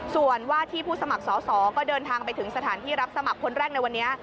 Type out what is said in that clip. ส่วนว่าที่ผู้สมัครสอสอก็เดินทางไปถึงสถานที่รับสมัครคนแรกในวันนี้